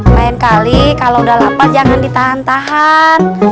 lain kali kalau udah lapas jangan ditahan tahan